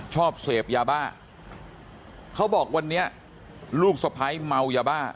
ชอบเสพยาบ้าเขาบอกวันนี้ลูกสะพ้ายเมายาบ้า